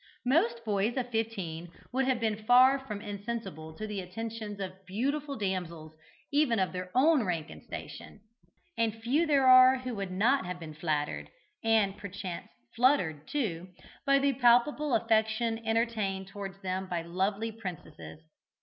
Most boys of fifteen would have been far from insensible to the attentions of beautiful damsels even of their own rank and station, and few there are who would not have been flattered and perchance fluttered too by the palpable affection entertained towards them by lovely princesses.